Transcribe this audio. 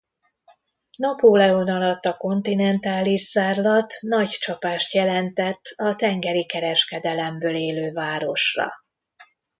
Napóleon alatt a kontinentális zárlat nagy csapást jelentett a tengeri kereskedelemből élő városra.